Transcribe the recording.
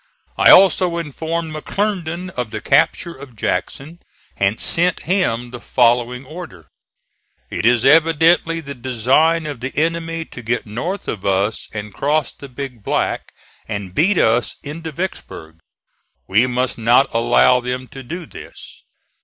I also informed McClernand of the capture of Jackson and sent him the following order: "It is evidently the design of the enemy to get north of us and cross the Big Black, and beat us into Vicksburg. We must not allow them to do this.